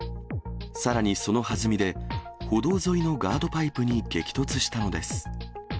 さらにそのはずみで、歩道沿いのガードパイプに激突したのです。